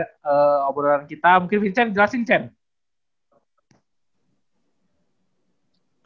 ngobrolan kita mungkin vincent jelasin chat